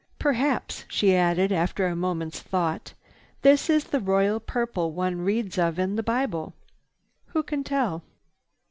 "Perhaps," she added after a moment's thought, "this is the royal purple one reads of in the Bible. Who can tell?"